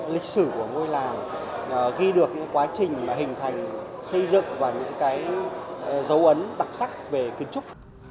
lịch sử của ngôi làng ghi được những quá trình mà hình thành xây dựng và những cái dấu ấn đặc sắc về kiến trúc